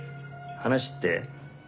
話って？